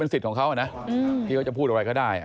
ที่เขาจะพูดอะไรก็ได้